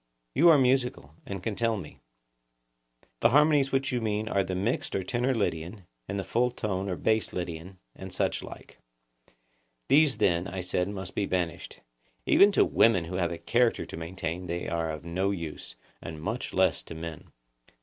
You are musical, and can tell me. The harmonies which you mean are the mixed or tenor Lydian, and the full toned or bass Lydian, and such like. These then, I said, must be banished; even to women who have a character to maintain they are of no use, and much less to men.